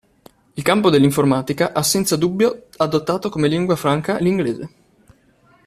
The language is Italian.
Il campo dell'informatica ha senza dubbio adottato come lingua franca l'inglese.